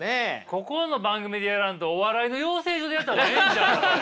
ここの番組でやらんとお笑いの養成所でやった方がええんちゃうかこれ。